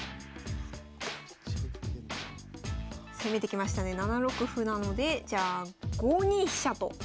攻めてきましたね７六歩なのでじゃあ５二飛車と。